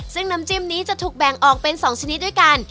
ซึ่งน้ำจิ้มนี้จะถูกแบ่งออกเป็น๒ชนิดด้วยกัน